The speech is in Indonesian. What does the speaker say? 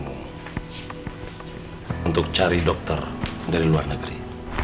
untuk cari dokter dari luar negeri